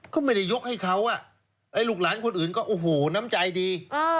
ก็ไม่ได้ยกให้เขาลูกหลานคนอื่นก็โอ้โหน้ำใจดี